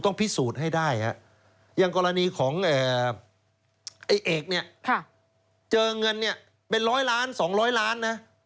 พิสูจน์ให้ได้อย่างกรณีของไอ้เอกเนี่ยเจอเงินเนี่ยเป็นร้อยล้าน๒๐๐ล้านนะ